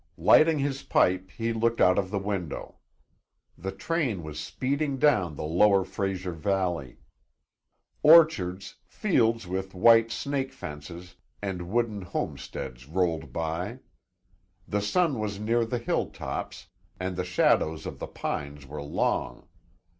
Lighting his pipe, he looked out of the window. The train was speeding down the lower Fraser valley. Orchards, fields with white snake fences, and wooden homesteads rolled by. The sun was near the hilltops and the shadows of the pines were long.